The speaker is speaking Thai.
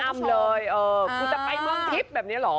แม่อ้ำเลยเออคุณจะไปมั่งทิศแบบนี้เหรอ